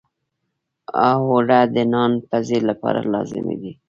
اوړه د نان پزی لپاره لازمي دي